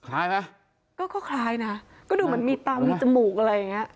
คล้ายไหมก็ก็คล้ายนะก็ดูเหมือนมีตามีจมูกอะไรอย่างเงี้ย